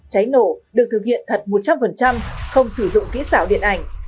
cháy nổ được thực hiện thật một trăm linh không sử dụng kỹ xảo điện ảnh